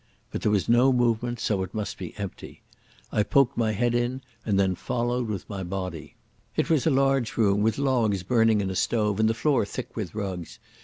But there was no movement, so it must be empty. I poked my head in and then followed with my body. It was a large room, with logs burning in a stove, and the floor thick with rugs.